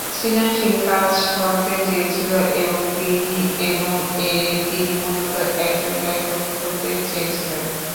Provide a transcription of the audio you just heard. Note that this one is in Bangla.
সৃজনশীল কাজ করতে চেয়েছিলেন তিনি এবং তিনি মূলত একজন লেখক হতে চেয়েছিলেন।